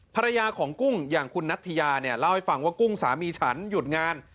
ภรรยาของกุ้งอย่างคุณนัทยาเนี่ยเล่าให้ฟังว่ากุ้งสามีฉันหยุดงาน